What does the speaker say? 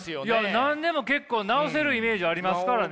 何でも結構治せるイメージありますからね。